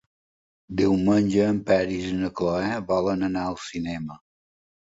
Diumenge en Peris i na Cloè volen anar al cinema.